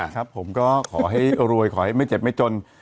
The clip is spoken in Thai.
ครับผมก็ขอให้รวยขอให้ไม่เจ็บไม่จน